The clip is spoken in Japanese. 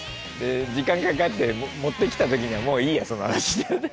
時間かかって持ってきたときには「もういいやその話」だって。